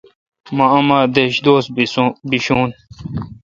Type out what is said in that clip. مہ اماں دش دوس بشون۔